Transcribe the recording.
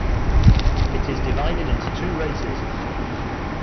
It is divided into two races.